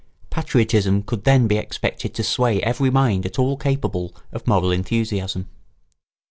Patriotism could then be expected to sway every mind at all capable of moral enthusiasm.